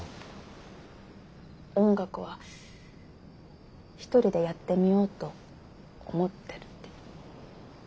音楽は一人でやってみようと思ってるって。